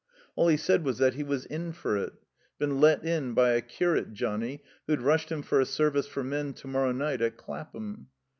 All he said was that he was "in for it." Been let in by a curate Johnnie who'd rushed him for a Service for Men to morrow night at Clapham.